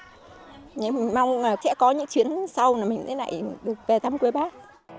mình mong là sẽ có những chuyến sau là mình sẽ lại được về thăm quê bắc